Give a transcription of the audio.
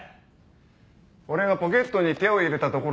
俺がポケットに手を入れたところを見てたか？